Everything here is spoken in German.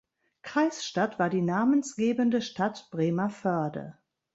Kreisstadt war die namensgebende Stadt Bremervörde.